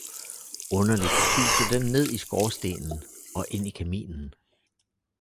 Underligt suser den ned i skorstenen og ind i kaminen